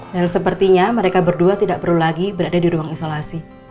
sepertinya mereka berdua tidak perlu lagi berada di ruang isolasi